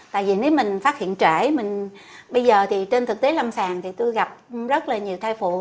tại vì nếu mình phát hiện trẻ mình bây giờ thì trên thực tế lâm sàng thì tôi gặp rất là nhiều thai phụ